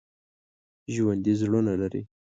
ژوندي زړونه لري